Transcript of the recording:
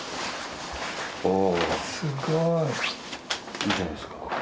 いいじゃないですか。